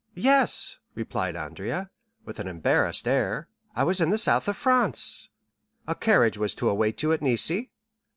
"Yes," replied Andrea, with an embarrassed air, "I was in the south of France." "A carriage was to await you at Nice?"